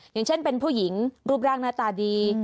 อย่างเช่นเป็นผู้หญิงรูปร่างหน้าตาดี